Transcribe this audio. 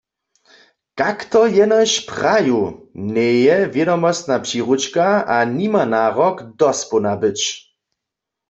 „Kak to jenož praju?“ njeje wědomostna přiručka a nima narok, dospołna być.